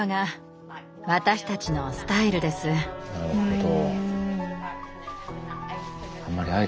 なるほど。